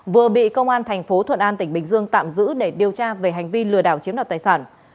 vừa bị công an tp thuận an tỉnh bình dương tạm giữ để điều tra về hành vi lừa đảo chiếm đặt tài sản